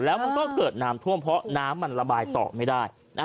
แล้วมันก็เกิดน้ำท่วมเพราะน้ำมันระบายต่อไม่ได้